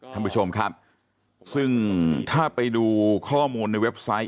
ท่านผู้ชมครับซึ่งถ้าไปดูข้อมูลในเว็บไซต์